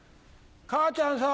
母ちゃんさ